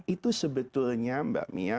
itu sebetulnya mbak mia